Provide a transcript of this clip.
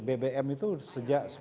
bbm itu sejak